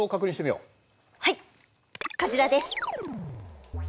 はいこちらです。